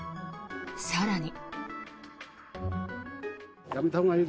更に。